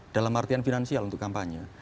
dalam artian finansial untuk kampanye